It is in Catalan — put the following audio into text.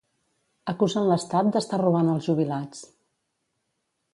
Acusen l'Estat d'estar robant als jubilats.